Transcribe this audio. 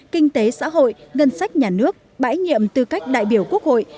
kinh tế xã hội ngân sách nhà nước bãi nhiệm tư cách đại biểu quốc hội